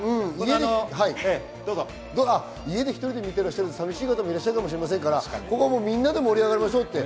家で１人で見てらっしゃると寂しい方もいるかもしれませんから、みんなで盛り上がりましょう。